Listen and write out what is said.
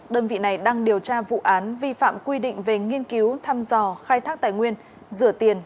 đơn vị này đang điều tra vụ án vi phạm quy định về nghiên cứu thăm dò khai thác tài nguyên rửa tiền